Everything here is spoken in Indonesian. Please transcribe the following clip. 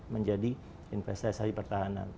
menjadi investasi pertahanan